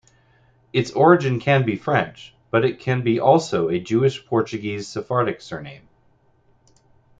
Its origin can be French, but it can be also a Jewish-Portuguese Sephardic surname.